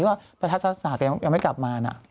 ที่ว่าพระทัศนาศึกษายังไม่กลับมาน่ะ